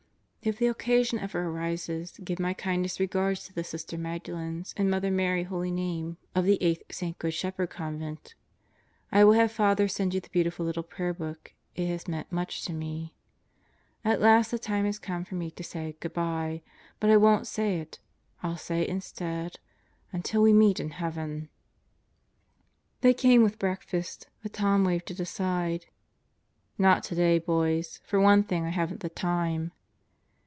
If the occasion ever arises, give my kindest regards to the Sister Magdalens and Mother Mary Holy Name of the 8th St. Good Shepherd Convent I will have Father send you the beautiful little prayer book. It has meant much to me. At last the time has come for me to say "Good by." But I won't say it. I'll say instead: "Until we meet in Heaven!" They came with breakfast, but Tom waved it aside. "Not today, boys. For one thing, I haven't the time."